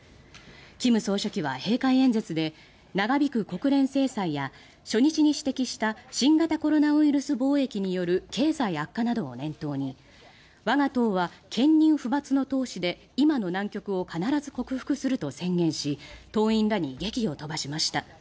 金総書記は閉会演説で長引く国連制裁や初日に指摘した新型コロナウイルス防疫による経済悪化などを念頭に我が党は堅忍不抜の闘志で今の難局を必ず克服すると宣言し党員らに檄を飛ばしました。